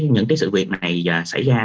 những cái sự việc này xảy ra